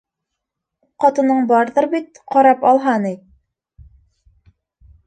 Ҡатының барҙыр бит, ҡарап алһа ней?